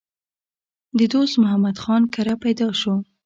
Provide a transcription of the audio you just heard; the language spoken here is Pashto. د دوست محمد خان کره پېدا شو